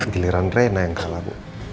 giliran rena yang kalah